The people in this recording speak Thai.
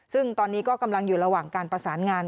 ซึ่งตอนนี้ก็กำลังอยู่ระหว่างการประสานงาน